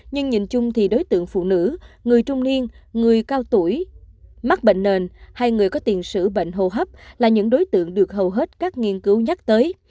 nhưng nhìn chung thì đối tượng phụ nữ người trung niên người cao tuổi mắc bệnh nền hay người có tiền sử bệnh hô hấp là những đối tượng được hầu hết các nghiên cứu nhắc tới